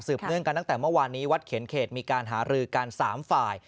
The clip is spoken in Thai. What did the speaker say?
เนื่องกันตั้งแต่เมื่อวานนี้วัดเขียนเขตมีการหารือกัน๓ฝ่าย